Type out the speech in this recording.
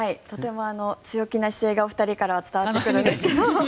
とても強気な姿勢がお二人から伝わってくるんです。